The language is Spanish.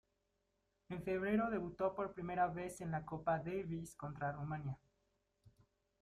En febrero debutó por primera vez en la Copa Davis contra Rumania.